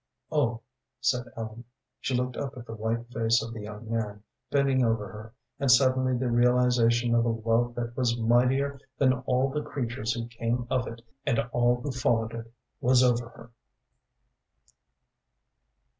"Oh," said Ellen. She looked up at the white face of the young man bending over her, and suddenly the realization of a love that was mightier than all the creatures who came of it and all who followed it was over her.